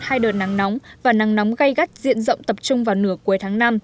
hai đợt nắng nóng và nắng nóng gây gắt diện rộng tập trung vào nửa cuối tháng năm